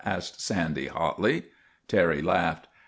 ' asked Sandy, hotly. Terry laughed.